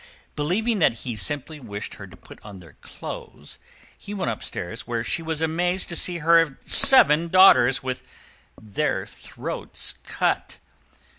Believing that he simply wished her to put on their clothes, she went upstairs, where she was amazed to see her seven daughters with their throats cut.